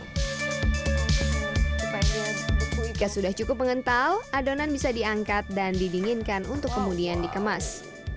supaya sudah cukup mengental adonan bisa diangkat dan didinginkan untuk kemudian dikemas